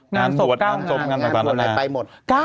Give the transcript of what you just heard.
งานหวดงานจบงานหวดไปหมด